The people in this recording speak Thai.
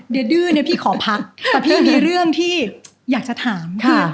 เดี๋ยวดื้อเนี่ยพี่ขอพักแต่พี่มีเรื่องที่อยากจะถาม